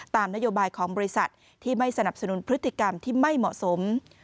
ตามนโยบายของบริษัทที่ไม่สนับสนุนพฤติกรรมที่ไม่เหมาะสม